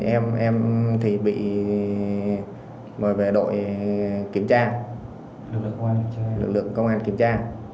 em em thì bị mời về đội kiểm tra lực lượng công an kiểm tra